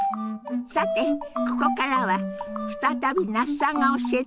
さてここからは再び那須さんが教えてくださるみたいよ。